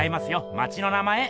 町の名前！